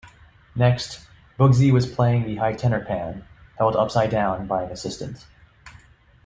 Next, Boogsie was playing the high tenor pan held upside down by an assistant.